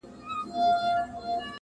زه وېرېږم خپل قسمت به مي رقیب سي؛